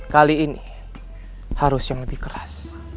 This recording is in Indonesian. kali ini harus yang lebih keras